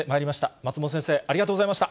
松本先生、ありがとうございました。